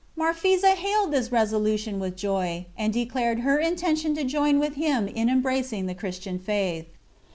Marphisa hailed this resolution with joy, and declared her intention to join with him in embracing the Christian faith.